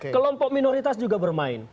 kelompok minoritas juga bermain